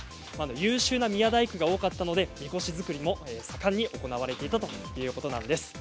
優秀な宮大工、多かったのでみこし作りも盛んに行われていたということなんです。